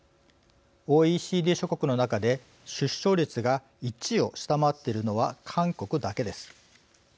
ＯＥＣＤ諸国の中で出生率が１を下回っているのは韓国だけです。